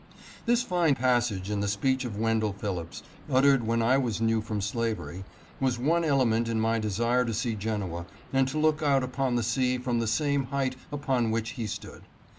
This fine passage in the speech of Wendell Phillips, uttered when I was new from slavery, was one element in my desire to see Genoa and to look out upon the sea from the same height upon which he stood.